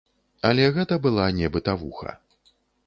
Але гэта была не бытавуха.